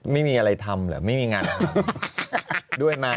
ไม่มีอะไรทำเหรอไม่มีงานทำด้วยไหม